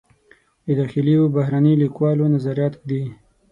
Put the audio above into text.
د داخلي و بهرني لیکوالو نظریات ږدي.